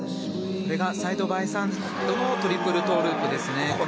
これがサイドバイサイドのトリプルトウループです。